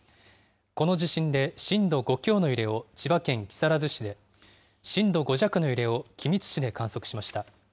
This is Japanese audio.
この地震で震度５強の揺れを千葉県木更津市で、震度５弱の揺れを君津市で観測しました。